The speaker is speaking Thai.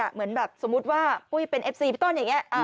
เหมือนแบบสมมุติว่าปุ้ยเป็นเอฟซีพี่ต้นอย่างนี้